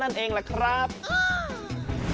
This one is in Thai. เฮยกตำบล